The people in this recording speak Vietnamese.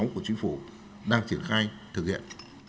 của chính phủ đang triển khai thực hiện